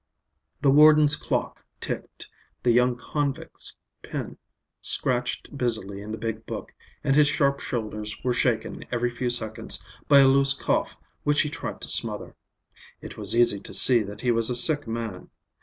The warden's clock ticked, the young convict's pen scratched busily in the big book, and his sharp shoulders were shaken every few seconds by a loose cough which he tried to smother. It was easy to see that he was a sick man.